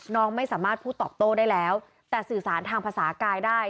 น้องไม่สามารถพูดตอบโต้ได้แล้วแต่สื่อสารทางภาษากายได้